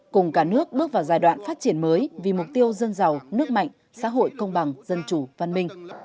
cùng cả nước bước vào giai đoạn phát triển mới vì mục tiêu dân giàu nước mạnh xã hội công bằng dân chủ văn minh